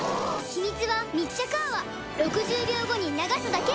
ヒミツは密着泡６０秒後に流すだけ